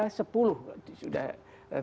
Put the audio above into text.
tetapi beberapa taksonomis itu sudah ditemukan di papua